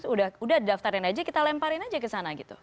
udah daftarin aja kita lemparin aja ke sana gitu